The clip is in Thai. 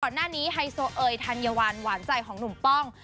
ไฮโซเอยธัญวัลหวานใจของหนุ่มป้อง